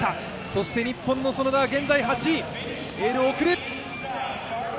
そして日本の園田は現在８位、エールを送る。